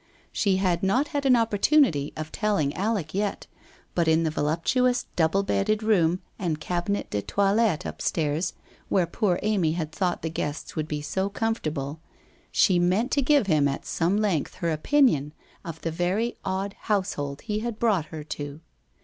She had not had an opportunity of telling Alec yet, but in the voluptu ous double bedded room and cabinet de toilette upstairs where poor Amy had thought the guests would be so com fortable, she meant to give him at some length her opinion of the very odd household he had brought her to.